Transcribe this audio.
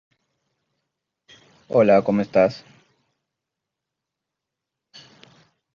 El edificio se localiza específicamente en Nicosia.